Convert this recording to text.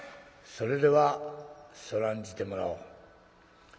「それではそらんじてもらおう。